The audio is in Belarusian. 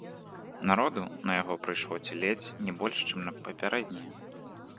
Народу на яго прыйшло ці ледзь не больш, чым на папярэдняе.